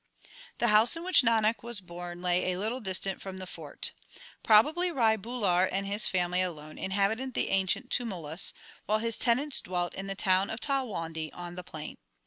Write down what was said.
The house in which Nanak was born lay a little distant from the fort. Probably Rai Bular and his family alone inhabited the ancient tumulus, while his tenants dwelt in the town of Talwandi on the plain.